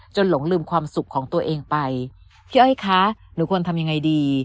หลงลืมความสุขของตัวเองไปพี่อ้อยคะหนูควรทำยังไงดี